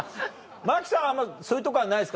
真木さんはそういうとこはないですか？